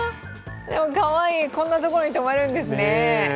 かわいい、こんなところに止まるんですね。